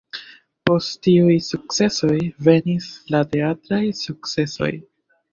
Post tiuj sukcesoj venis la teatraj sukcesoj.